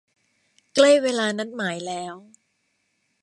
ใกล้เวลานัดหมายแล้ว